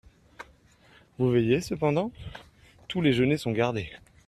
Vous veillez cependant ? Tous les genêts sont gardés.